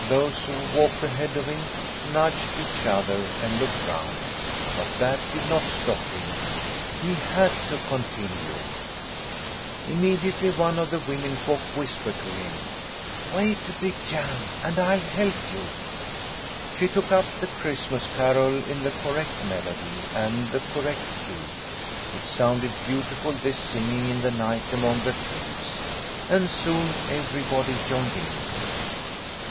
Those who walked ahead of him nudged each other and looked round; but that did not stop him; he had to continue. Immediately one of the womenfolk whispered to him: "Wait a bit, Jan, and I'll help you." She took up the Christmas carol in the correct melody and the correct key. It sounded beautiful, this singing in the night among the trees, and soon everybody joined in.